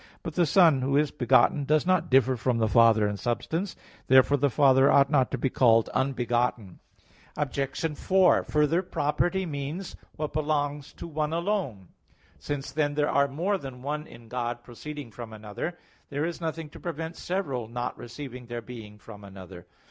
But the Son, Who is begotten, does not differ from the Father in substance. Therefore the Father ought not to be called unbegotten. Obj. 4: Further, property means what belongs to one alone. Since, then, there are more than one in God proceeding from another, there is nothing to prevent several not receiving their being from another.